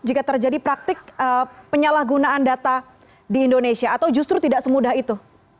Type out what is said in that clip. jika terjadi praktik penyalahgunaan data di indonesia atau justru tidak semudah itu